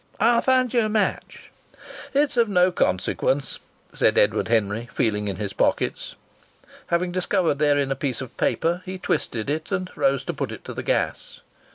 "I'll find you a match!" "It's of no consequence," said Edward Henry, feeling in his pockets. Having discovered therein a piece of paper he twisted it and rose to put it to the gas.